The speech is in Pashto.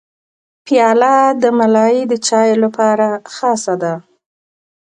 پیاله د ملای د چای لپاره خاصه ده.